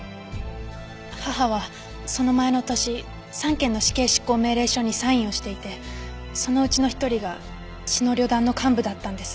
母はその前の年３件の死刑執行命令書にサインをしていてそのうちの一人が血の旅団の幹部だったんです。